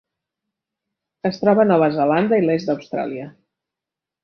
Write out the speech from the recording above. Es troba a Nova Zelanda i l'est d'Austràlia.